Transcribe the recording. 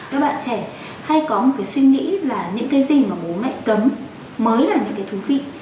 các bạn trẻ hay có một cái suy nghĩ là những cái gì mà bố mẹ cấm mới là những cái thú vị